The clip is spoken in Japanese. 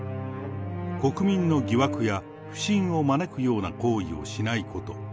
国民の疑惑や不信を招くような行為をしないこと。